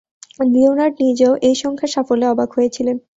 Leonard নিজেও এই সংখ্যার সাফল্যে অবাক হয়েছিলেন।